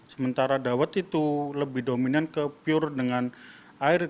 sementara dawet itu lebih dominan ke pure dengan air